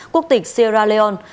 quốc tịch sierra leone